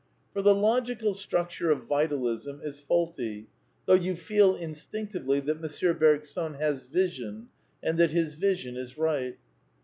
For the logical structure of Vitalism is faulty, though you feel instinctively that M. Bergson " has vision," and that his vision is right.